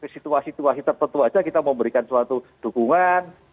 situasi situasi tertentu saja kita memberikan suatu dukungan